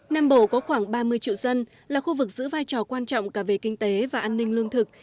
nam bộ có khoảng ba mươi triệu dân là khu vực giữ vai trò quan trọng cả về kinh tế và an ninh lương thực